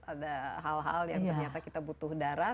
ada hal hal yang ternyata kita butuh darah